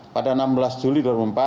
pada enam belas juli dua ribu empat belas